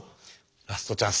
ラストチャンス